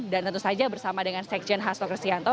dan tentu saja bersama dengan sekjen hasto kristianto